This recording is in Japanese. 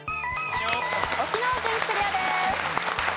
沖縄県クリアです。